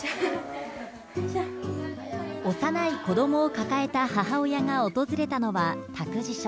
幼い子どもを抱えた母親が訪れたのは、託児所。